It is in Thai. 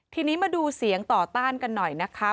ทีนี้มาดูเสียงต่อต้านกันหน่อยนะคะ